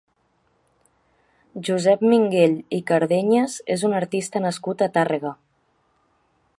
Josep Minguell i Cardenyes és un artista nascut a Tàrrega.